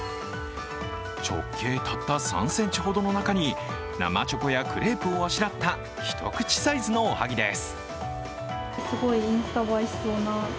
直径たった３ｃｍほどの中に生チョコやクレープをあしらった一口サイズのおはぎです。